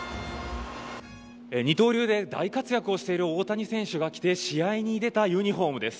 二刀流で大活躍している大谷選手が着て試合に出たユニホームです。